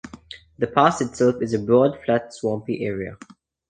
The pass itself is a broad, flat, swampy area.